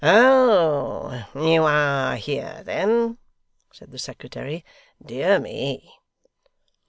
'Oh! you ARE here then?' said the Secretary. 'Dear me!